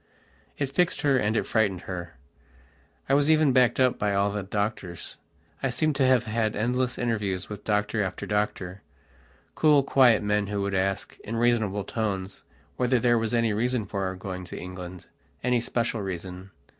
It fixed her and it frightened her. I was even backed up by all the doctors. I seemed to have had endless interviews with doctor after doctor, cool, quiet men, who would ask, in reasonable tones, whether there was any reason for our going to Englandany special reason.